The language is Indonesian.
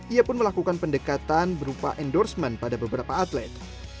ia pun melakukan pendekatan berupa endorsement pada beberapa atlet